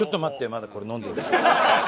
まだこれ飲んでる。